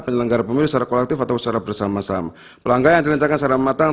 penyelenggara pemilu secara kolektif atau secara bersama sama pelanggaran dilencanakan secara matang